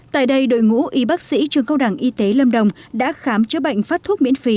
tại đây đội ngũ y bác sĩ trường câu đẳng y tế lâm đồng đã khám chữa bệnh phát thuốc miễn phí